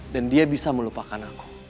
dan dia bisa melupakan aku